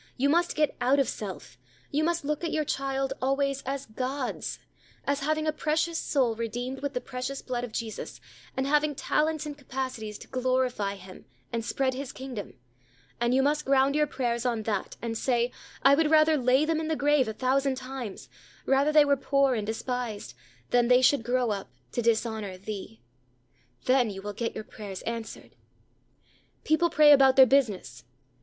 You must get out of self; you must look at your child always as God's, as having a precious soul redeemed with the precious blood of Jesus, and having talents and capacities to glorify Him and spread His kingdom; and you must ground your prayers on that, and say, "I would rather lay them in the grave, a thousand times rather they were poor and despised than they should grow up to dishonor Thee." Then you will get your prayers answered! People pray about their business.